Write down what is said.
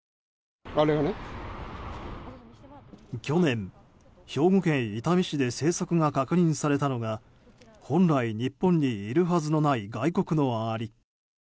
去年、兵庫県伊丹市で生息が確認されたのが本来、日本にいるはずのない外国のアリ。